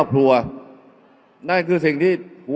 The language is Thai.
อย่าให้ลุงตู่สู้คนเดียว